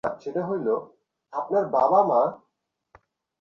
মা, আমি গঙা বলছি।